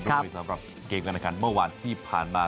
ด้วยสำหรับเกมการแข่งขันเมื่อวานที่ผ่านมา